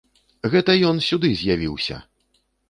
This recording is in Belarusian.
Гэта ён сюды з'явіўся!